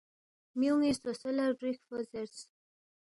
میونی سو سو لا گریکھپو زیرس